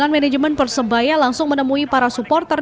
manajemen persebaya langsung menemui para supporter